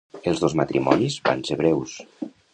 Els dos matrimonis van ser breus.